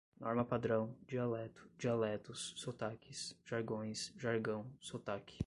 norma-padrão, dialeto, dialetos, sotaques, jargões, jargão, sotaque